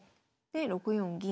で６四銀。